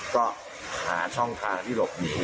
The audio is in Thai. ก็หาช่องทางที่หลบหนี